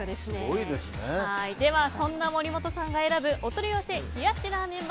そんな森本さんが選ぶお取り寄せ冷やしラーメン